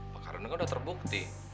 pak kardun kan udah terbukti meros kita